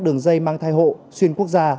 đường dây mang thai hộ xuyên quốc gia